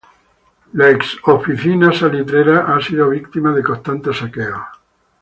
La ex oficina salitrera ha sido víctima de constantes saqueos.